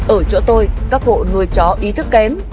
ở chỗ tôi các hộ nuôi chó ý thức kém